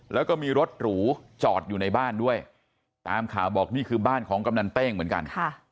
แล้วก็มีรถหรูจอดอยู่ในบ้านด้วยตามข่าวบอกนี่คือบ้านของกำนันเต้งเหมือนกัน